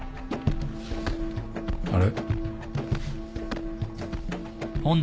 あれ？